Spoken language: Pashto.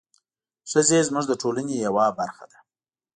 ښځې زموږ د ټولنې یوه برخه ده.